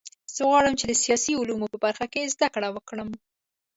زه غواړم چې د سیاسي علومو په برخه کې زده کړه وکړم